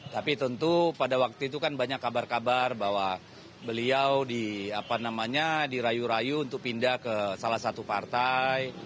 tapi tentu pada waktu itu kan banyak kabar kabar bahwa beliau dirayu rayu untuk pindah ke salah satu partai